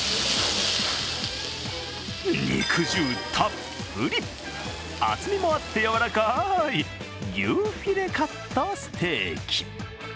肉汁たっぷり、厚みもあってやわらかい牛フィレカットステーキ。